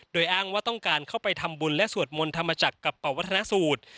โดยอ้างว่าต้องการเข้าไปทำบุญและสวดมนต์ธรรมจักรกับปวัฒนสูตร